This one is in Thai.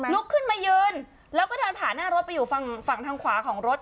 ลุกขึ้นมายืนแล้วก็เดินผ่านหน้ารถไปอยู่ฝั่งทางขวาของรถ